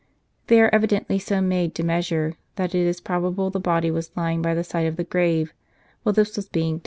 They are evidently so made to measure, that it is probable the body was lying by the side of the grave, while this was being dug.